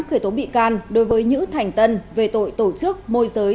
khởi tố bị can đối với nhữ thành tân về tội tổ chức môi giới